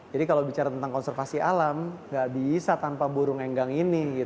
jadi kalau bicara tentang konservasi alam nggak bisa tanpa burung enggang ini